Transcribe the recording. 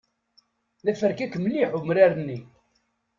D aferkak mliḥ umrar-nni.